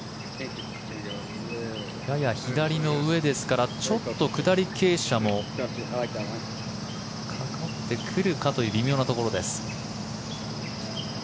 やや左の上ですからちょっと下り傾斜もかかってくるかという微妙なところです。